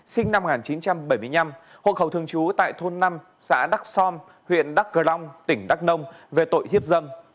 sinh năm một nghìn chín trăm bảy mươi năm hộ khẩu thường trú tại thôn năm xã đắc som huyện đắc cờ long tỉnh đắk nông về tội hiếp dâm